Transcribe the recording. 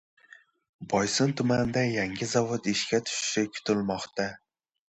Boysun tumanida yangi zavod ishga tushishi kutilmoqda